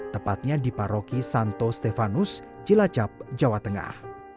tepatnya di paroki santo stefanus cilacap jawa tengah